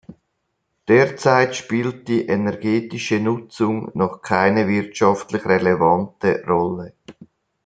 Derzeit spielt die energetische Nutzung noch keine wirtschaftlich relevante Rolle.